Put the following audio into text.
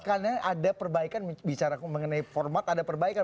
karena ada perbaikan bicara mengenai format ada perbaikan